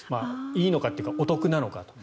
いいのかというか、お得なのか。